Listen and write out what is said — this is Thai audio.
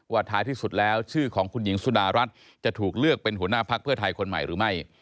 ท้ายที่สุดแล้วชื่อของคุณหญิงสุดารัฐจะถูกเลือกเป็นหัวหน้าพักเพื่อไทยคนใหม่หรือไม่